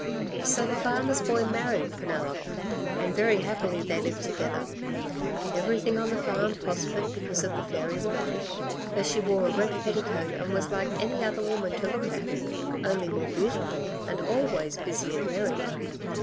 So the farmer's boy married Penelop and very happily they lived together. Everything on the farm prospered because of the fairy wife, though she wore a red petticoat and was like any other woman to look at, only more beautiful, and always busy and merry.